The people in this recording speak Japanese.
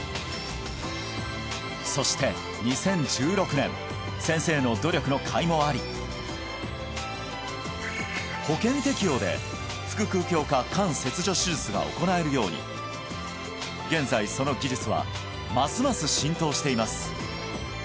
そして２０１６年先生の努力の甲斐もあり保険適用で腹腔鏡下肝切除手術が行えるように現在その技術はますます浸透しています